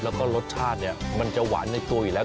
แล้วก็รสชาติเนี่ยมันจะหวานในตัวอยู่แล้ว